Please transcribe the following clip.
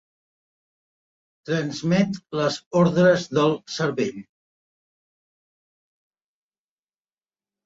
Transmet les ordres del cervell.